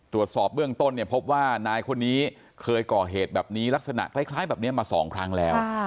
ตรวจสอบเบื้องต้นเนี่ยพบว่านายคนนี้เคยก่อเหตุแบบนี้ลักษณะคล้ายแบบนี้มา๒ครั้งแล้ว